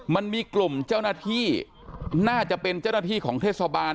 มันมีกลุ่มเจ้าหน้าที่น่าจะเป็นเจ้าหน้าที่ของเทศบาล